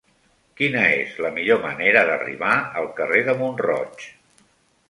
Quina és la millor manera d'arribar al carrer de Mont-roig?